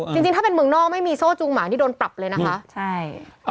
จริงถ้าเป็นเมืองนอกไม่มีโซ่จูงหมางนี่โดนปรับเลยนะคะใช่